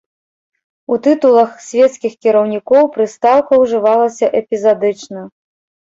У тытулах свецкіх кіраўнікоў прыстаўка ўжывалася эпізадычна.